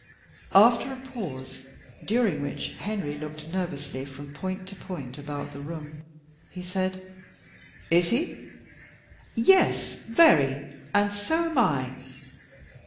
After a pause, during which Henry looked nervously from point to point about the room, he said "Is he?" "Yes, very, and so am I."